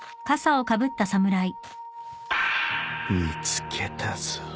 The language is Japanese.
・見つけたぞ。